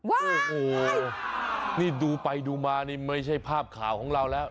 โอ้โหนี่ดูไปดูมานี่ไม่ใช่ภาพข่าวของเราแล้ว